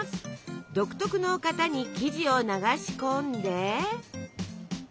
独特の型に生地を流し込んで。